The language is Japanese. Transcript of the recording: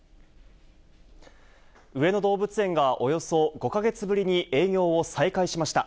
上野動物園が、およそ５か月ぶりに営業を再開しました。